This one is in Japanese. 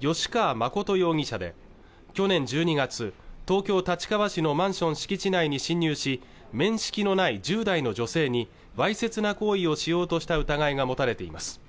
吉川誠容疑者で去年１２月東京・立川市のマンション敷地内に侵入し面識のない１０代の女性にわいせつな行為をしようとした疑いが持たれています